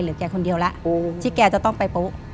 เหลือกี่คนเดียวที่แกจะต้องไป